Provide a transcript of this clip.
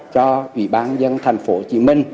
cho ủy ban dân tp hcm